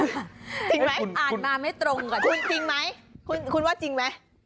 จริงไหมจริงไหมคุณว่าจริงไหมอ่านมาไม่ตรงกว่าที่เราอ่าน